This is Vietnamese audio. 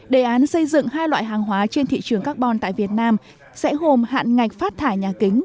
đề án xây dựng hai loại hàng hóa trên thị trường carbon tại việt nam sẽ gồm hạn ngạch phát thải nhà kính